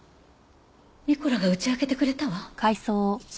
ニコラが打ち明けてくれたわ。